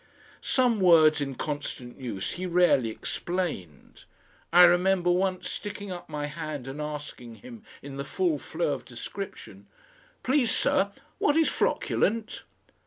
Some words in constant use he rarely explained. I remember once sticking up my hand and asking him in the full flow of description, "Please, sir, what is flocculent?"